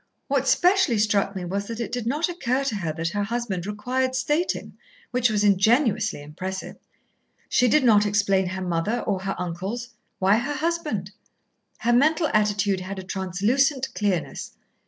"What specially struck me was that it did not occur to her that her husband required stating, which was ingenuously impressive. She did not explain her mother or her uncles, why her husband? Her mental attitude had a translucent clearness.